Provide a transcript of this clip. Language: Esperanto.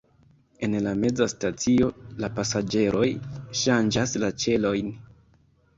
En la meza stacio la pasaĝeroj ŝanĝas la ĉelojn.